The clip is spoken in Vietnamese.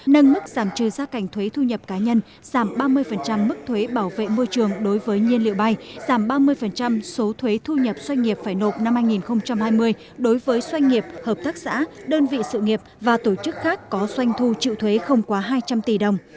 nâng mức giảm trừ giá cảnh thuế thu nhập cá nhân giảm ba mươi mức thuế bảo vệ môi trường đối với nhiên liệu bay giảm ba mươi số thuế thu nhập doanh nghiệp phải nộp năm hai nghìn hai mươi đối với doanh nghiệp hợp tác xã đơn vị sự nghiệp và tổ chức khác có doanh thu chịu thuế không quá hai trăm linh tỷ đồng